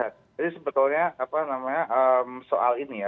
jadi sebetulnya soal ini ya